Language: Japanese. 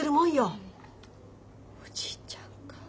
おじいちゃんか。